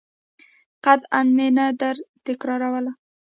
قطعاً مې نه درتکراروله.